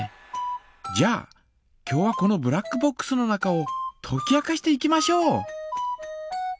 じゃあ今日はこのブラックボックスの中をとき明かしていきましょう。